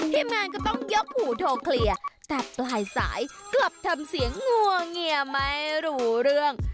ทีมงานก็ต้องยกหูโทรเคลียร์แต่ปลายสายกลับทำเสียงงัวเงียไม่รู้เรื่อง